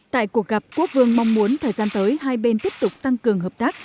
tại cuộc gặp quốc vương mong muốn thời gian tới hai bên tiếp tục tăng cường hợp tác